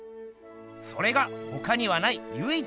それがほかにはないゆい